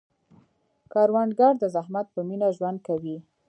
کروندګر د زحمت په مینه ژوند کوي